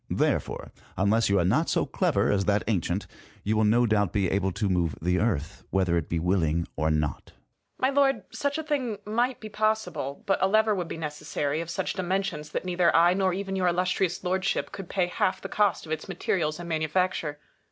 Therefore, unless you are not so clever as that ancient, you will no doubt be able to move the Earth, whether it be willing, or not. 174 COPERNICUS. Copernicus. My lord, such a thing might be possible. But a lever would be necessary, of such dimensions that neither I nor even your Illustrious Lordship could pay half the cost of its materials and manufacture.